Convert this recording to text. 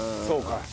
そうか。